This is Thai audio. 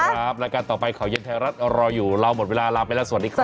รายการต่อไปข่าวเย็นไทยรัฐรออยู่เราหมดเวลาลาไปแล้วสวัสดีครับ